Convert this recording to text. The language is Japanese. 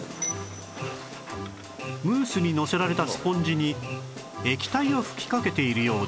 ムースにのせられたスポンジに液体を吹きかけているようですが